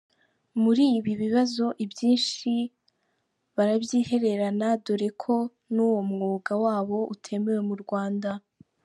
Muri ibi bibazo ibyinshi barabyihererana dore ko n’uwo mwuga wabo utemewe mu Rwanda.